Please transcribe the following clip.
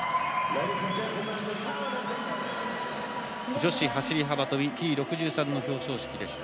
女子走り幅跳び Ｔ６３ の表彰式でした。